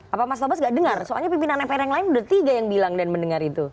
apa mas tobas gak dengar soalnya pimpinan mpr yang lain udah tiga yang bilang dan mendengar itu